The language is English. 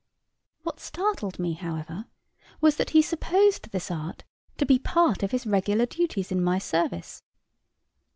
What startled me, however, was, that he supposed this art to be part of his regular duties in my service.